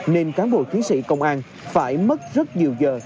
nên cán bộ chiến sĩ công an phải mất rất nhiều giờ